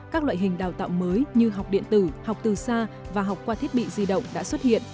các loại hình đào tạo mới như học điện tử học từ xa và học qua thiết bị di động đã xuất hiện